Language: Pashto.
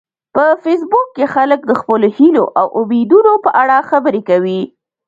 په فېسبوک کې خلک د خپلو هیلو او امیدونو په اړه خبرې کوي